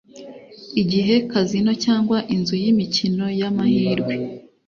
igihe kazino cyangwa inzu y imikino y amahirwe